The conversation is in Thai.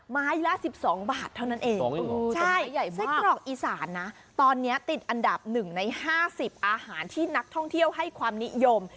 ไม้ละ๑๒บาทเท่านั้นเองไส้กรอกอีสานนะตอนนี้ติดอันดับ๑ใน๕๐อาหารที่นักท่องเที่ยวให้ความนิยม